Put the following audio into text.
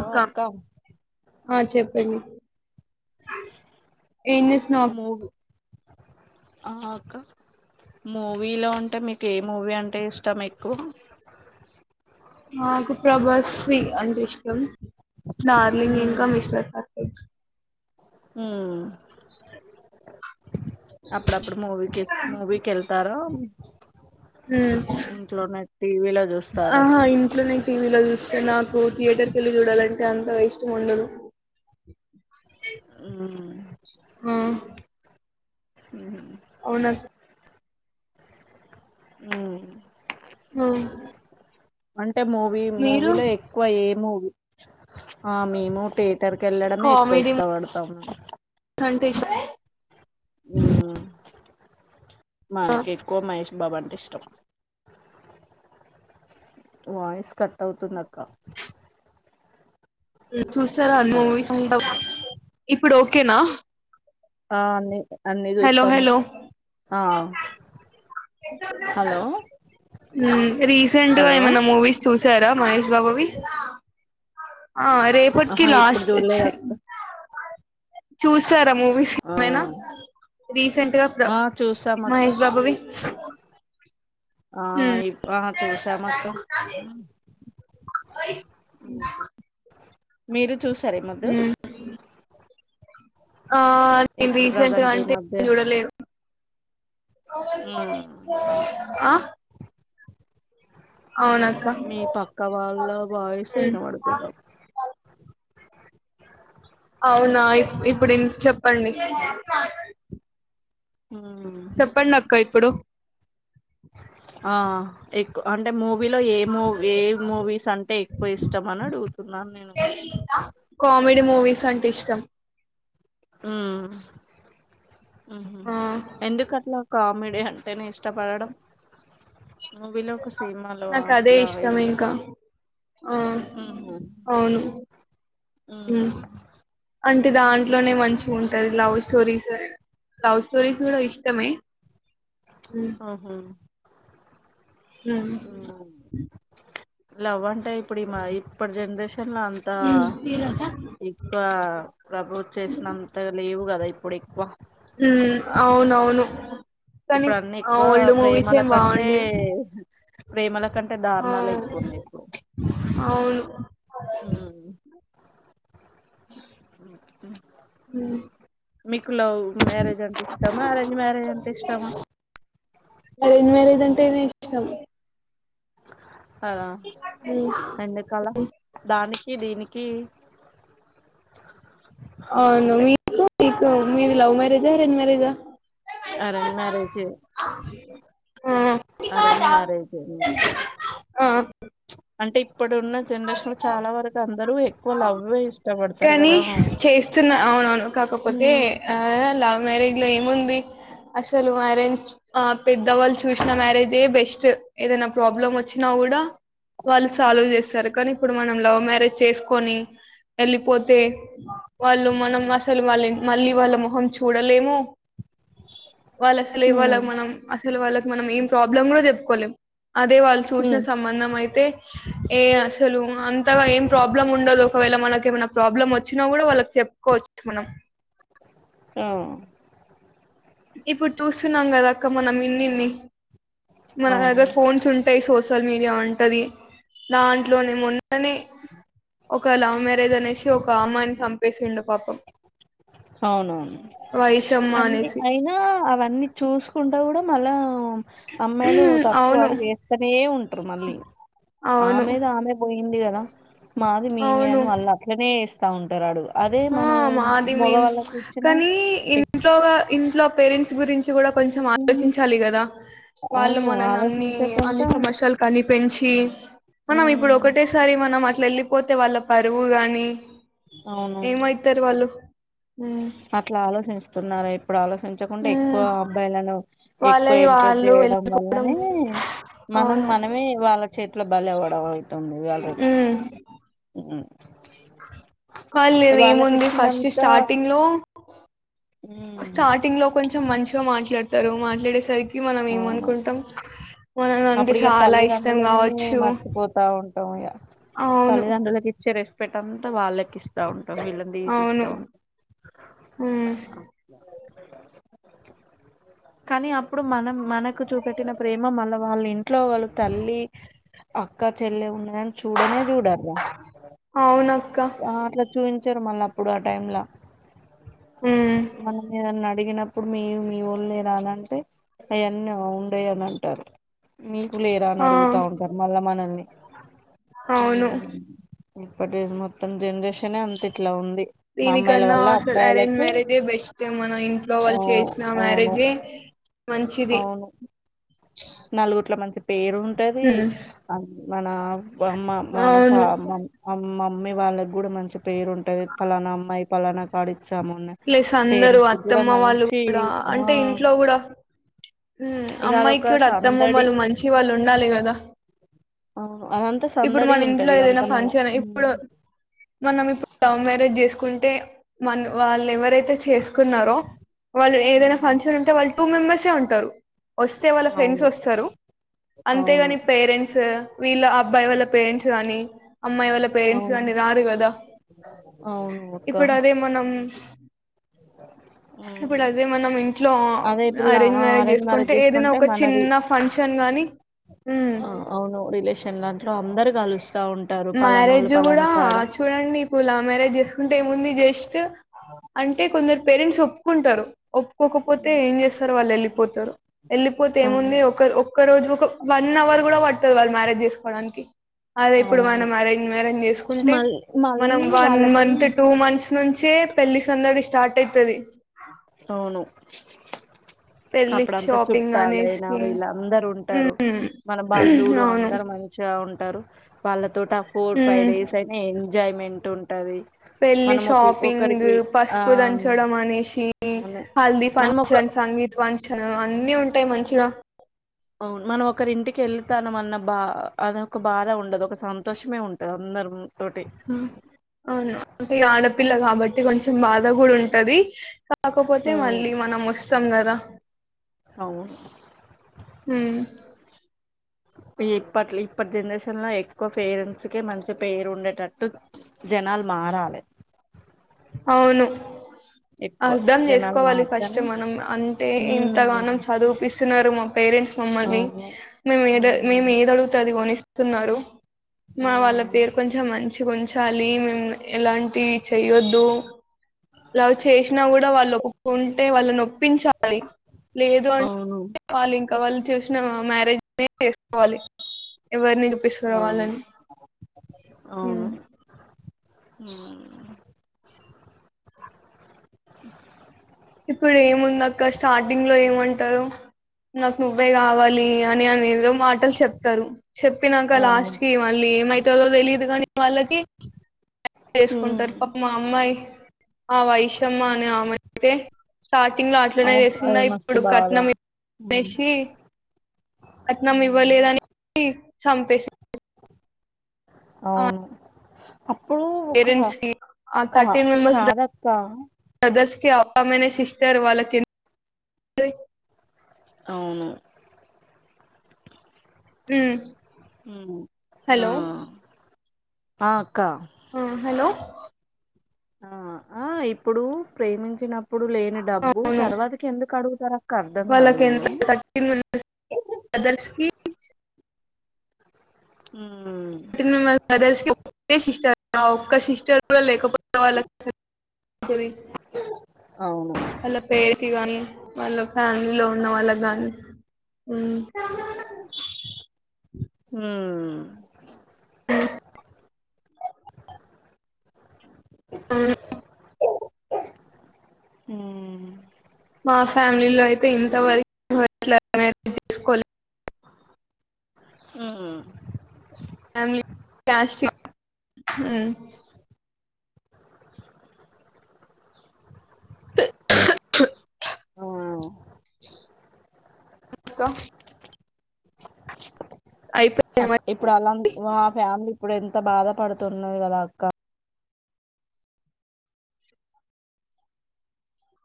అక్క ఆ చెప్పండి ఎం చెస్ మూవీ ఆ ఆక్క మూవీలో ఉం టే మీకు ఏ మూవీ అంటే ఇష్ ష్టమెక్కువ నాకు ప్రభాస్ వీ అంటే ఇష్టం డార్లింగ్ ఇంకా మిస్టర్ ఫర్ అ హు అప్పుడప్పుడు మూవీకి మూవీకి వెళ్తారా మ్ ఇంట్లోనే టీవీలో చూస్తారా ఆహా ఇంట్లోనే టీవీలో చూస్ స్త నాకు థియేటర్ కేళ్ళి చూడాలంటే అంత ఇష్టం ఉండదు మ్మ్ ఆ హు అవునా సా హుమ్ హు అన్ టే మూవీ మూవీలో ఎక్కువ ఏ మూవీ ఆ మేము థియేటర్ కి వెళ్ళడమే ఎక్కువ ఇష్టపడతాము సంటీష్ మ్మ్ ఆ, మనకి ఎక్కువ మహేష్ బాబంటే ష్టం వాయిస్కట్ టవుతుంద క్క హు చూస్తారా మూవీస్ ఇప్పుడో కేనా ఆ ని అన్నీ చూస్తాము ఆ హలో హు రీసెంట్గా హలో ఏమైనా మూవీస్ చూసా సార మహష్ బాబువి ఆ రేపటికి ఆహా! ఇప్పుడు లాస్ట్ వచ్చి జూడలేదక్క. చూస్తార్ మూవీస్ ఆ! ఏమైనా రీసెంట్ గా ప్ర ఆ! చూసామక్క. మహేష్ బాబువి ఆ హ్మ్ ఇ ఆ చూసామక్క మీరు. చూసార ఇ మద్దు. హ్మ్ ఆ నేన్ రీసెంట్గ ప్రెజెంట్ ఈ అంటె మధ్య చూడలేదు. హ్మ్. అ. మి పక్క వాళ్ళ వాయ్సె హ్మ్ ఇనబడుతుంది. ఔనా ఇప్ ఇప్పుడిన్ చెప్పండి. హ్మ్. చెప్పండక్క ఇప్పుడు. ఆ ఎక్కు అన్ టె మూవీలొ ఏ మూవ్ ఏమ్ మూవీసంటె ఎక్కువ ఇష్టమనడుగుతున్నాన్ నేను. కామెడి మూవీసంటె ఇష్టం. ఉమ్. ఉహు ఆ ఎందుకు అట్ల కామె దె హట్టైన ఇష్టపడడం. మూవీలొ ఒక సీమాలో నాకు అదే అల్ల ఇష్టం ఎమ్ ఇంకా ఆ ఉమ్ ఊమ్. అవును అంటె దాంట్లోనె మంచిగుంటంది లవ్ స్టోరీస్ లవ్స్ స్టోరీస్ గుడ ఇష్టమే ఉమ్. హుహు. ఉమ్. లవ్వంటే. ఇప్పుడీమ ఇప్పుడ్ జన్రేష్ తల్లా అంతా ఎక్కువ ప్రబోజ్ చేస్నంత లేవు గద ఇప్పుడెక్కువ. హ్మ్ అవునవును కానీ ఆ ఇప్పుడన్నెక్కువా ఓల్డ్ మూవీసే ప్రేమల కంటే ప్రేమల కంటే ఔ దారుణాలే ఎక్కువ ఔను. ఊమ్. అ ఉమ్, మీకు లవ్ మ్యారేజంటిష్టమా అరేంజ్ మ్యారేజంటిష్టమ. అరేంజ్ మ్యారేజ్ అంటేనే ఇష్టం ఆ హ్మ్ ఎందుకల దానిక్ కి దీనికి. ఔను అంటే మీకు. కు మీది లవ్ మ్యారేజా అరేంజ్ మ్యారేజ. అరేంజ్ మ్యారేజ్ ఎ ఆ ఆ అంటే ఇప్పుడున్న జనరేషన్ లో చాలా వరకు అందరూ ఎక్కువ లవ్ ఏ కానీ చేస్తున్నా అవునవును కాకపోతే ఉమ్ ఆ లవ్ మ్యారేజ్ లో ఏముంది అసలు మ్యారేజ్ ఆ పెద్దవాళ్ళు చూసిన మ్యారేజే ఏ బెస్ట్ ఏదైనా ప్రాబ్లం వచ్చినా కూడా వాళ్ళు సాల్వ్ చేస్తారు కానీ ఇప్పుడు మనం లవ్ మ్యారేజ్ చేసుకొని వెళ్ళిపోతే వాళ్ళు మనం అసలు వాళ్ళ మళ్ళీ వాళ్ళ మొహం చూడలేము వాళ్ళసలు ఇ వాళ్ళ ఉమ్. మనం అస్ సల్ వాళ్ళకి మనం ఏం ప్రాబ్లమ్ కూడా చెప్పుకోలేం అదే వాళ్ళు చూసిన హ్మ్. సంబంధం అయితే ఏ అసలు అంతగా ఏం ప్రాబ్లం ఉండదు ఒకవేళ మనక్ ఏమన్న ప్రాబ్లమ్ వచ్చినా కూడా వాళ్ళకి చెప్పుకోవచ్చు మనం ఆ ఇప్పుడు చూస్తున్నాం కదా అక్క మనం ఇన్నిన్ని మన అవును. దగ్గర ఫోన్స్ ఉంటాయ్ సోస్ సోషల్ మీడియా ఉంటది దాంట్లోనే మొన్ననే ఒక లవ్ మ్యారేజ్ అనేసి ఒక్ పామాని సంపేసిండు పాపం అవునవును వైషమ్మ అన్న అనేసి అయినా అవన్నీ చూసుకుం టా కూడా మళ్ళా అమ్మాయిలు తప్పు అవును అడుగేస్తనే ఉంటారు మళ్ళీ అవును ఆమెదమె పోయింది కదా మాది మేమే అవును అని వాళ్ళు అట్నేస్ స్తవున్ ఉంటరాడు అదే మనం ది మీమ్ మగవాళ్ళకిచ్చినా కానీ ఎక్కువ ఇంట్లో ఇంట్లో పె పెరెంట్స్కుగురించ్ కూడ కొంచెం ఆలోచించాలి కదా వాళ్ళు అవును. మనని అన్ని అన్ని ఆలోచించకుండా సమస్యలు కని పెంచి మనం ఇప్పుడు హ్మ్. ఒకటేసారి మనం ట్ల వెళ్ళిపోతే వాళ్ళ పరువు గాని అవును. ఏమయితరు వాళ్ళు ఉమ్ అట్లా ఆలోచిస్తున్నారా ఇప్పుడు ఆలోచ చంచకుండా ఉమ్ ఎక్కువ అబ్బాయిలను ఎక్కువ వాళ్ళది ఇంప్రూస్ వాళ్ళు జేయడం వెళ్ళిపోవడం వల్లనే మనం అవును మనమే వాళ్ళ చే అట్లా బల అవడం తొమ్మిది ఇవల్ రేప్ ఉ [inaudible] పన్లేదు ఏముంది ఫస్ట్ ఇచ్చినంత స్టార్టింగ్ లో ఉమ్, స్టార్టింగ్ లో కొంచెం మంచి మాట్లాడతారు మాట్లాడేసరికి మనం అవును ఏమనుకుంటాం మా నాన్నకి అప్పుడు ఇగా చాలా ఇష్టం తల్లిదండ్రులనే కావచ్చు మర్చిపోతా ఉంటాం అవును ఇగాతల్లిదండ్రులలకు ఇచ్చే రెస్ ప్పటంతా వాళ్ళకి ఇస్త ఇస్తా ఉంటాం వీళ్ళని అవును తీసిస్తా ఉంటాం ఉమ్, కానీ అప్పుడు ఇప్పుడు మనం మనకు చూపెట్టిన ప్రేమ మళ్ళ వాళ్ళ ఇంట్లో వాళ్ళు తల్లి అక్క చెల్లె ఉన్నా దాని చూడనే చూడర్ ర అవునక్క అట్లా చూపించరు మళ్ళా ఇప్పుడు ఆ టైమ్ంల ఉమ్, మనల్ని ఏదన్నా అడిగిన ఇప్పుడు మీ మీ వొళ్ళే రాలంటే అయన్నీ ఉండయి అని అంటారు మీ లేరా అని ఆ అడుగుతా ఉంటారు మళ్ళా మనల్ని ఊ అవును ఇప్పుటి మొత్తం జెనరేషన్ దీనికన్నా అసలు అరేంజ్ అబ్బాయిలకి మ్యారేజే బెస్ట్ మన ఇంట్లో ఆ వాళ్ళు చేసిన అవును మ్యారేజే మంచిది నాలుగుట్ల మంచి ప్ పేరు ఉంటది ఉమ్, మన అమ్మ మనమ్మ్ అవును మన అమ్మమ్మ మీ వాళ్ళకి గూడ మంచి పేరు ఉంటది ఫలానా అమ్మాయి పలానా కాడి ప్లస్ అందరుూ అత్తమ్మ వాళ్ళు మంచి కూడా ఆ అంటే ఇంట్లో కూడా ఇక అమ్మాయికి అదొక కూడా సందడి అత్తమామలు మంచి వాళ్ళు ఉండాలి కదా ఆ అదంతా ఇప్పుడు సందడి మన ఇంట్లో ఉంటది అంత ఏదైనా మన ఫంక్షన్ హ్మ్ ఇప్పుడు మనం ఇప్పుడు లవ్ మ్యారేజ్ చేసుకు కుంటే మన్ వాళ్ళు ఎవరైతే చేసుకున్నారో వాళ్ళు ఏదైనా ఫంక్షన్ ఉంటే వాళ్ టూ మెంబెర్సే ఏ ఉంటారు వస్తే వాళ్ళ ఫ్రెండ్స్ అవును వస్తారు అవును అంతేగాని పేరెంట్స్ వీళ్ళ అబ్బాయి వాళ్ళ పేరెంట్స్ గానీ అమ్మాయి వాళ్ళ పేరెంట్స్ అవును కాని రారు కదా అవును అక్క ఇప్పుడు అదే మనం ఇప్పుడు హ్మ్ అదే మనం ఇంట్లో అదే ఇప్పుడు ఆ లా అరేంజ్ ఆ మ్యారేజ్ చేసుకుంటే ఏదైనా ఒక మనది చిన్న ఫంక్షన్ గానీ హు కాాలుస్ మ్యారేజ్ కూడా చూడండి ఇప్పుడు లవ్మ్యారేజ్ చేస్ కుంటే ముందు జస్ట్ అంటే కొందరు పేరెంట్స్ ఒ క్కుటరు ఒప్పుకోకపోతే ఏం చేస్తారు వాళ్ళు వెళ్ళిపోతారు వెళ్ళిపోతే అవును ఏముంది ఒక ఒక్క రోజు వన్ అవర్ కూడా పట్టదు వాళ్ళు మ్యారేజ్ చేసుకోవడానికి అద్ ఇప్పుడు అవును మనం అరేంజ్ మారేంజ్ చేసుకుంటే మళ్ మనం మళ్ళీ వన్ వాళ్ళకి మంత్ టూ మంత్స్ నుంచే పెళ్లి సందడి స్టార్ట్ అయితది అవును పెళ్లి అప్పుడంతా షాపింగ్ అనేసి చుట్టాలయినా వీళ్ళ అందరు ఉంటారు ఉమ్, మన బంధువులు అవును అందరు మంచిగా ఉంటారు వాళ్ళక్ తోటాఫోర్ ఫైవ్ ఉమ్. డేస్ అయిన ఎం ఎంజాయ్మెంట్ ఉంటది పెళ్ళి మనం ఒక షాపింగ్ ఒకరికి ఆ పసుపు దంచడం అనేసి అవును హల్దిీ మనం ఒక ఫంక్షన్ సంగీత్ ఫంక్షన్ అన్నిీ ఉంటాయి మంచిగా అవును మనం ఒకరి ఇంటికి వెల్తాన మన్న బా అదొక బాధ ఉండదు సంతోషమే ఉంటది అందరు అవును టి ఆడపిల్ల కాబట్టి కొంచం బాధ కూడా ఉంటది కాకపోతే మళ్ళీ మనం వస్ సంగదా అవ్ ఉమ్ [inaudible] ఇప్పట్ ఇప్పటి జనరేషన్లో ఎక్కువ పేరెంట్స్ కె మంచి పేరు ఉండేటట్టు జనాలు మారాలి అవును ఎక్కువ అర్ధం జనాలు చేసుకోవాలి ఫస్ట్ మారుతేనే మనం అంటే ఉమ్ ఇంతగానం చదిపిస్త తున్నారు మా పేరెంట్స్ మమ్మల్ని అవును మే మేము ఏదీ ఉమ్ మేము ఏది అడిగుతే అది కొనిస్త స్తున్నారు మా వాళ్ళ ఉమ్ పేరు కొంచెం మంచి ఉంచాలి మేము ఎలాంటి చేయొద్దు దో లవ్ చేసినా కూడా వాళ్ళు ఒ ఉంటే వాళ్ళు నొప్పించాలి లేదు అవును అంటే వాళ్ళ ఇం ఇంకా వాళ్ళు చూసినా మ్యారేజ్ చేసుకోవాలి ఎవరిని చూపిస్తరో అవును వాళ్ళని ఊ [inaudible] ఇప్పుడు ఏముందక్క స్టార్టింగ్ లో ఏమంటారు నాకు నువ్వే కావాలి అని అనేదో మాట్ మాటలు చెప్తారు చెప్పినంక అవును లాస్ట్ కి మళ్ళీ ఏమైతుందో తెలియదు కాని వాళ్ళకి చేసుకుంటారు ఉమ్ పాపం అమ్మాయి ఆ వైషమ్మ అనే ఆమెను అతే స్టార్టింగ్ లో అట్లనే అవును చేసిందా అది మస్తు ఇప్పుడు బాధ కట్నం ఉమ్ ఇనేసి కట్నం ఉమ్, ఇవ్వలేదని చంపేసారు అవును అప్పుడు ఒక పేరెంట్స్ కి ఆ కా థర్టీన్ కాదక్క మన సిస్టర్ వాళ్ళు అవును ఊ ఆ ఆ అక్కా హలో ఆ ఆ ఇప్పుడు ప్రేమించినప్పు ఎప్పుడు లేని డబ్బు అవును తర్వాతికి ఎందుకు అడుగుతారు అక్క అర్థం కాదు వాళ్ళకి ఎంత వీళ్ళు థర్టీన్ మెంబర్స్ బ్రదర్స్ కి ఉ అ మదర్స్ పుట్టి సిస్టర్స్ ఆ ఒక్క సిస్టర్ గూడా లేకపో అవును అలా పేత్తు గానీ మళ్ళ ఫ్యామలీ లోని వాళ్ళకి గాని మ్ హ ఉమ్ హ్మ్మ్ మా ఫ్యామిలీలో అయితే ఇంతవరకు అట్లా మారేజ్ చేసుకోలే హ్మ్మ్ ఫ [unintelligible] ఆ ఇంకా అయిపోయాయి ఇప్పుడు అలా మా ఫ్యామిలీ ఇప్పుడు ఎంత బాధపడుతున్నది కదా అక్క